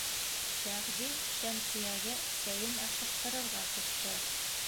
Сәғди Шәмсиәгә сәйен ашыҡтырырға ҡушты.